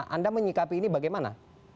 anda menyikapi ini bagaimana